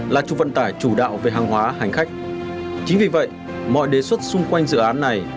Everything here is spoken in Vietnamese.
là trục vận tải chủ đạo về hàng hóa hành khách chính vì vậy mọi đề xuất xung quanh dự án này